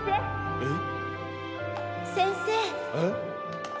えっ！？